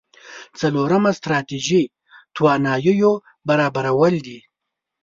څلورمه ستراتيژي تواناییو برابرول دي.